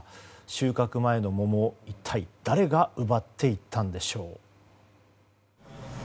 収穫前の桃を、一体誰が奪っていったんでしょう。